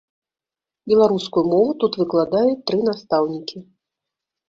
Беларускую мову тут выкладаюць тры настаўнікі.